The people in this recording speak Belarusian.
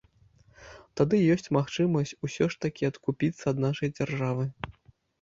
Тады ёсць магчымасць усё ж такі адкупіцца ад нашай дзяржавы.